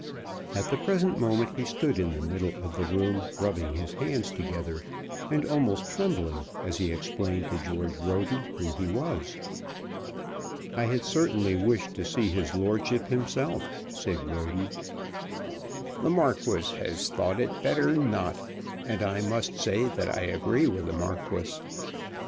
At the present moment he stood in the middle of the room rubbing his hands together, and almost trembling as he explained to George Roden who he was. "I had certainly wished to see his lordship himself," said Roden. "The Marquis has thought it better not, and I must say that I agree with the Marquis."